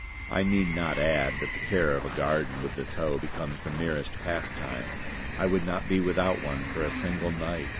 I need not add that the care of a garden with this hoe becomes the merest pastime. I would not be without one for a single night.